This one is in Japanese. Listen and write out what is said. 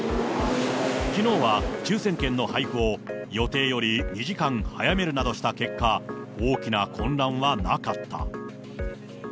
きのうは抽せん券の配布を、予定より２時間早めるなどした結果、大きな混乱はなかった。